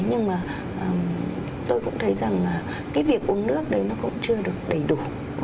nhưng mà tôi cũng thấy rằng là cái việc uống nước đấy nó cũng chưa được đầy đủ